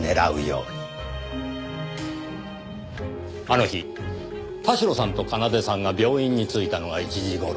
あの日田代さんと奏さんが病院に着いたのが１時頃。